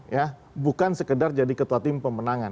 ya bukan sekedar jadi ketua tim pemenangan